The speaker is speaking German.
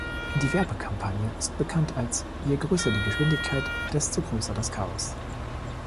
Die Werbekampagne ist bekannt als „Je größer die Geschwindigkeit, desto größer das Chaos“.